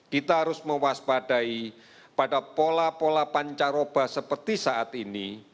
kita harus mewaspadai pada pola pola pancaroba seperti saat ini